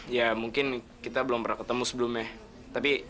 ya mungkin kita belum pernah ketemu sebelumnya